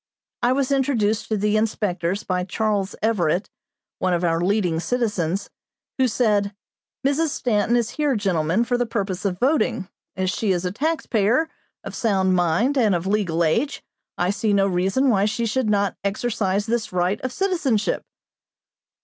I was introduced to the inspectors by Charles Everett, one of our leading citizens, who said: "Mrs. Stanton is here, gentlemen, for the purpose of voting. As she is a taxpayer, of sound mind, and of legal age, I see no reason why she should not exercise this right of citizenship."